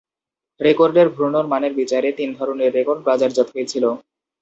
রেকর্ডের ঘূর্ণন মানের বিচারে তিন ধরনের রেকর্ড বাজারজাত হয়েছিল।